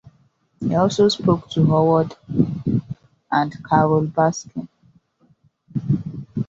He also spoke to Howard and Carole Baskin.